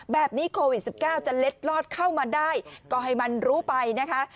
แบบนี้โควิด๑๙จะเล็ดลอดเข้ามาได้ก็ให้มันรู้ไปนะคะ